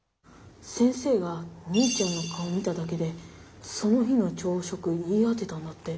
先生がお兄ちゃんの顔を見ただけでその日の朝食言い当てたんだって。